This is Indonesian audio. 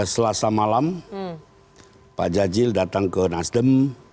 selasa malam pak jajil datang ke nasdem